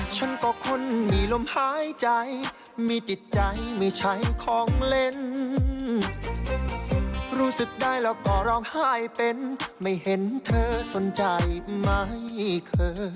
ฉันก็คนมีลมหายใจมีจิตใจไม่ใช้ของเล่นรู้สึกได้แล้วก็ร้องไห้เป็นไม่เห็นเธอสนใจไหมเธอ